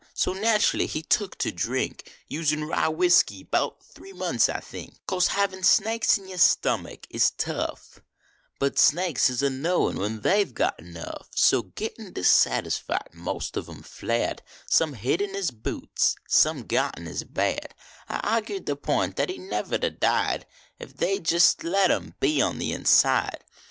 So natcherly he tuck to drink, Usin rye whiskey bout three months, I think. Course havin snaiks in the stummick is tough, But snaiks is a knowin when they ve got enough. So gittin dissatisfied, most of em fled, Some hid in his boots and some got in his bed. I argiecl the pint at he never d a died If they d a jest let em be on the inside.